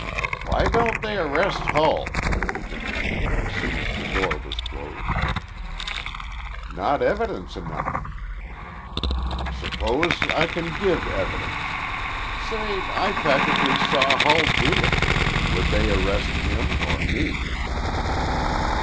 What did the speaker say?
"Why don't they arrest Hull?" he demanded as soon as the door was closed. "Not evidence enough." "Suppose I can give evidence. Say I practically saw Hull do it. Would they arrest him or me?"